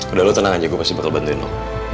udah lo tenang aja gue pasti bakal bantuin lo